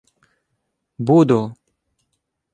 — Буду!